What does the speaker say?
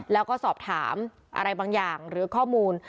แล้วก็สอบถามอะไรบางอย่างหรือข้อมูล